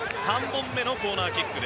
３本目のコーナーキック。